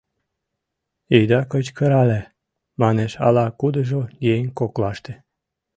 — Ида кычкыркале! — манеш ала-кудыжо еҥ коклаште.